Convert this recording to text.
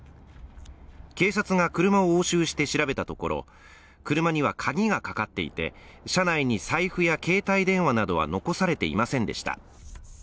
警察が車を押収して調べたところ、車には鍵がかかっていて、車内に財布や携帯電話などは残されていませんでした。